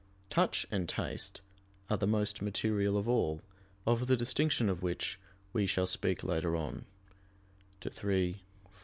Touch and taste are the most material of all: of the distinction of which we shall speak later on (ad 3, 4).